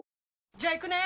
じゃあ行くね！